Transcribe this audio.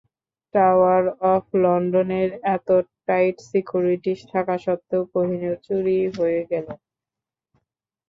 Tower of লন্ডনের এত tight security থাকা সত্ত্বেও কোহিনূর চুরি হয়ে গেল।